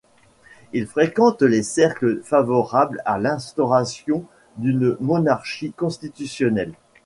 Il fréquente les cercles favorables à l'instauration d'une monarchie constitutionnelle.